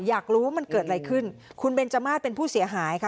อยากรู้ว่ามันเกิดอะไรขึ้นคุณเบนจมาสเป็นผู้เสียหายค่ะ